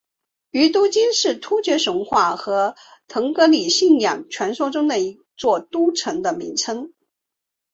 于都斤是突厥神话和腾格里信仰传说中的一座都城的名字。